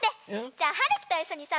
じゃはるきといっしょにさ